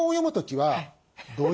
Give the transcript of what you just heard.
はい。